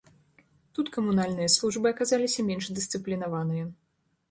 Тут камунальныя службы аказаліся менш дысцыплінаваныя.